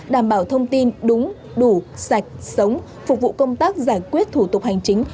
đảm bảo thông tin đúng đủ sạch sống phục vụ công tác giải quyết thủ tục hành chính